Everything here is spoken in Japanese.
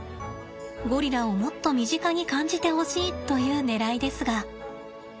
ゴリラをもっと身近に感じてほしいというねらいですが。